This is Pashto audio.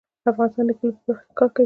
افغانستان د کلیو په برخه کې کار کوي.